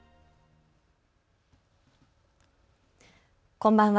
こんばんは。